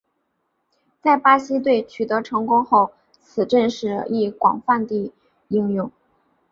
在巴西队取得成功后此阵式亦广泛地应用。